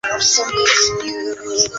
灵吸怪是雌雄同体的生物。